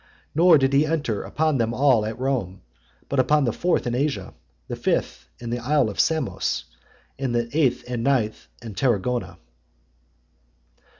Nor did he enter upon them all at Rome, but upon the fourth in Asia, the fifth in the Isle of Samos, and the eighth and ninth at Tarragona.